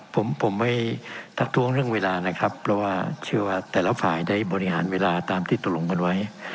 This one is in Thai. ผมผมไม่ทักท้วงเรื่องเวลานะครับเพราะว่าเชื่อว่าแต่ละฝ่ายได้บริหารเวลาตามที่ตกลงกันไว้